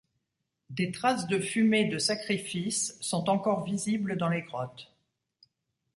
Des traces de fumée de sacrifices sont encore visibles dans les grottes.